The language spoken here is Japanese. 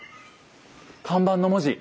看板の文字。